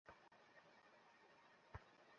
তিনি আপনার উপর জয়লাভ করবেন ও আপনাকে পরাজিত করবেন।